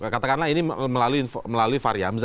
katakanlah ini melalui fariamza